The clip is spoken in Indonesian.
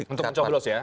untuk mencoblos ya